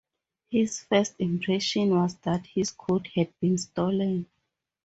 His first impression was that his coat had been stolen.